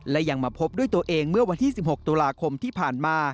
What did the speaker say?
และยังมาพบด้วยตัวเองเมื่อวันที่๑๖ตุลาคมที่ผ่านมา